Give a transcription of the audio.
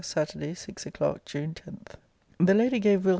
SATURDAY, SIX O'CLOCK, JUNE 10. The lady gave Will.'